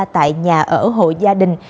tại nhà ở hộ gia đình